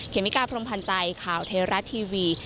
เมกาพรมพันธ์ใจข่าวเทราะทีวี